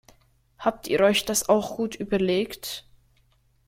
Habt ihr euch das auch gut überlegt?